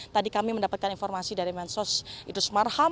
tadi kami mendapatkan informasi dari mensos idrus marham